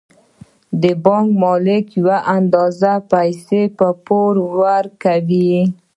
د بانک مالک یوه اندازه پیسې په پور ورکوي